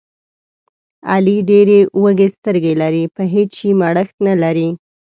علي ډېرې وږې سترګې لري، په هېڅ شي مړښت نه لري.